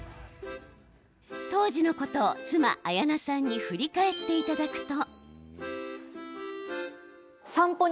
当時のことを妻、綾菜さんに振り返っていただくと。